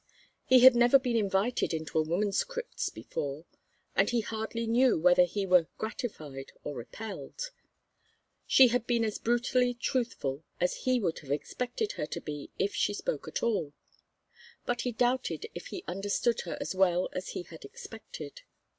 He had never been invited into a woman's crypts before, and he hardly knew whether he were gratified or repelled. She had been as brutally truthful as he would have expected her to be if she spoke at all, but he doubted if he understood her as well as he had expected.